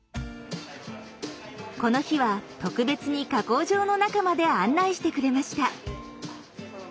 この日は特別に加工場の中まで案内してくれました。